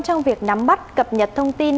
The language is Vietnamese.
trong việc nắm bắt cập nhật thông tin